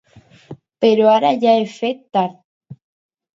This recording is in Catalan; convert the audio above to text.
Però ara ja he fet tard.